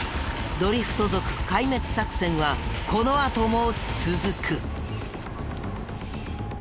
ドリフト族壊滅作戦はこのあとも続く。